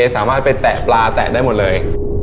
สามารถไปแตะปลาแตะได้หมดเลย